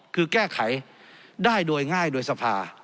คือแก้ไขได้โดยง่ายโดยสภา